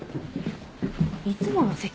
いつもの席？